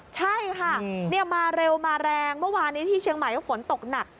ใช่ค่ะมาเร็วมาแรงเมื่อวานนี้ที่เชียงใหม่ก็ฝนตกหนัก